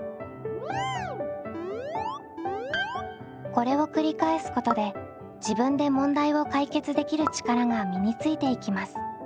これを繰り返すことで自分で問題を解決できる力が身についていきます。